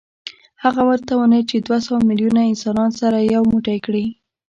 هغه وتوانېد چې دوه سوه میلیونه انسانان سره یو موټی کړي